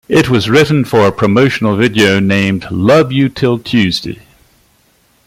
It was written for a promotional video named "Love You till Tuesday".